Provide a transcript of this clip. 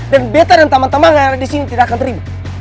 dan beta dan teman teman yang ada di sini tidak akan terimu